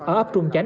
ở ấp trung chánh